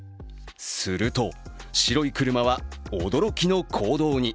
すると、白い車は驚きの行動に。